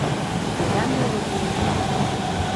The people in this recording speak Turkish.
Neden böyle giyindin?